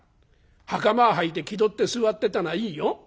袴はいて気取って座ってたのはいいよ。